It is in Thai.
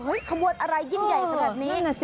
โหนิ้วขบวนอะไรยิ่งใหญ่ขนาดนี้